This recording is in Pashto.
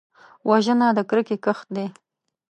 وژنه د کرکې کښت دی